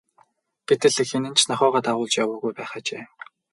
Гэтэл хэн нь ч нохойгоо дагуулж явуулаагүй байх ажээ.